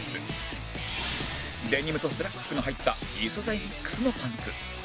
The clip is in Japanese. デニムとスラックスが入った異素材 ＭＩＸ のパンツ